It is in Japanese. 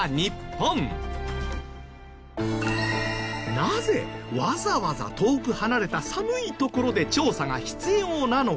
なぜわざわざ遠く離れた寒い所で調査が必要なのか？